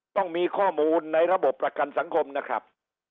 ต้องมีข้อมูลในระบบประกันสังคมนะครับ